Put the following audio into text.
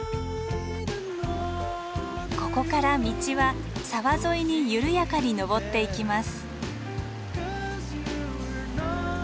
ここから道は沢沿いに緩やかに登っていきます。